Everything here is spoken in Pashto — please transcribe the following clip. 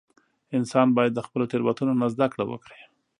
• انسان باید د خپلو تېروتنو نه زده کړه وکړي.